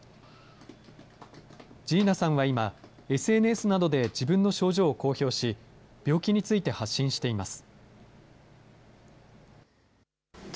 Ｇｅｎａさんは今、ＳＮＳなどで自分の症状を公表し、病気について発信しています。